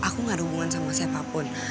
aku gak ada hubungan sama siapapun